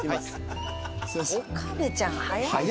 岡部ちゃん早いね。